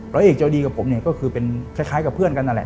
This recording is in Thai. ร้อยเอกเจ้าดีกับผมเนี่ยก็คือเป็นคล้ายกับเพื่อนกันนั่นแหละ